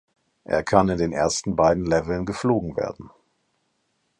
Er kann in den ersten beiden Leveln geflogen werden.